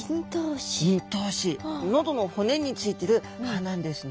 喉の骨についてる歯なんですね。